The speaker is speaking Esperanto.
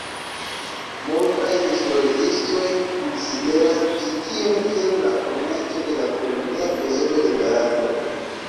Multaj historiistoj konsideras ĉi tion kiel la komenco de la kolonia periodo de Barato.